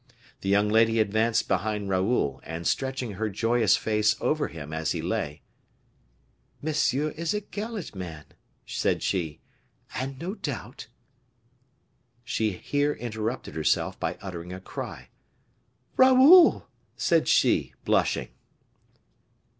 The young lady advanced behind Raoul, and stretching her joyous face over him as he lay: "Monsieur is a gallant man," said she, "and no doubt " She here interrupted herself by uttering a cry. "Raoul!" said she, blushing.